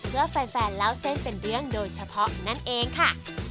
เพื่อแฟนเล่าเส้นเป็นเรื่องโดยเฉพาะนั่นเองค่ะ